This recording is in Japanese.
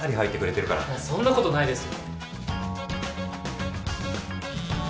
そんなことないですよ。